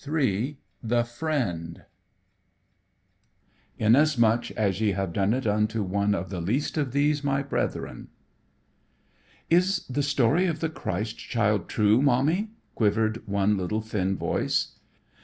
III The Friend "INASMUCH AS YE HAVE DONE IT UNTO ONE OF THE LEAST OF THESE, MY BRETHREN" III The Friend "Is the story of the Christ Child true, Mommy?" quivered one little, thin voice.